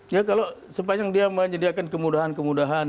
ya kalau sepanjang dia menyediakan kemudahan kemudahan